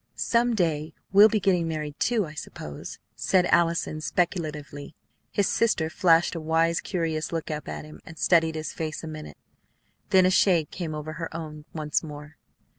"Some day we'll be getting married, too, I suppose," said Allison speculatively. His sister flashed a wise, curious look up at him, and studied his face a minute. Then a shade came over her own once more.